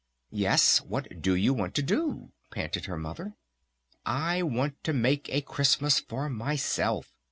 "Yes, what do you want to do?" panted her Mother. "I want to make a Christmas for myself!"